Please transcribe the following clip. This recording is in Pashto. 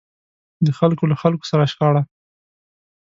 د خلکو له خلکو سره شخړه.